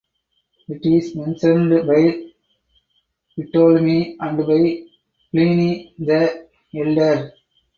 It is mentioned by Ptolemy and by Pliny the Elder.